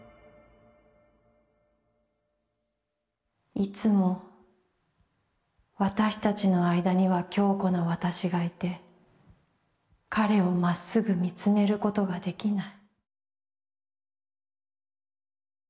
「いつも私たちの間には強固な私がいて、彼をまっすぐ見つめることができない」。